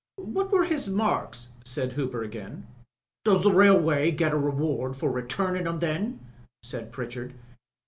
What were his marks?" said Hooper again. Does the Railway get a reward for retumin' 'em, then?" said Pritchard.